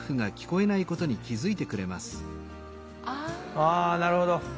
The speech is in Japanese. あなるほど。